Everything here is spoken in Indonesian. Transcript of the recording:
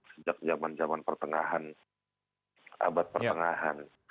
sejak zaman zaman pertengahan abad pertengahan